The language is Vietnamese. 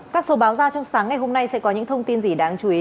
các số báo ra trong sáng ngày hôm nay sẽ có những thông tin gì đáng chú ý